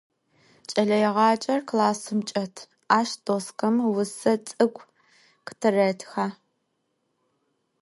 Ç'eleêğacer klassım çç'et, aş doskem vuse ts'ık'u khıtırêtxe.